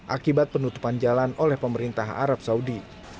akibat penutupan jalan oleh pemerintah arab saudi